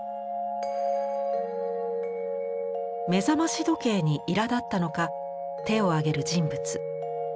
目覚まし時計にいらだったのか手を上げる人物。